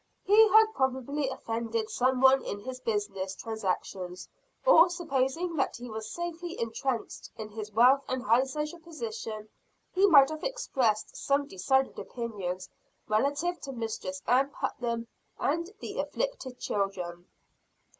He had probably offended some one in his business transactions; or, supposing that he was safely entrenched in his wealth and high social position, he might have expressed some decided opinions, relative to Mistress Ann Putnam and the "afflicted children."